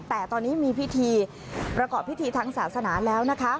แต่ตอนนี้มีพิธีประกอบพิธีทางศาสนาแล้วนะคะ